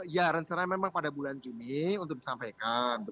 ya rencana memang pada bulan juni untuk disampaikan